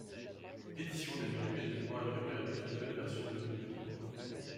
L'édition des menus est nettement améliorée avec une nouvelle version de MenuLibre.